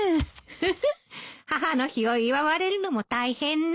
フフッ母の日を祝われるのも大変ね。